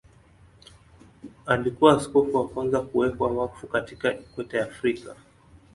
Alikuwa askofu wa kwanza kuwekwa wakfu katika Ikweta ya Afrika.